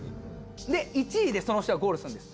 で１位でその人がゴールするんです。